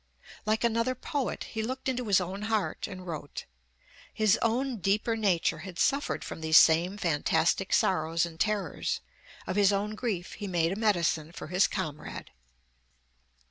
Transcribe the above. Like another poet, he looked into his own heart and wrote. His own deeper nature had suffered from these same fantastic sorrows and terrors; of his own grief he made a medicine for his comrade.